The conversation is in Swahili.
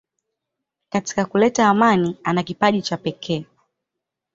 Katika kuleta amani ana kipaji cha pekee.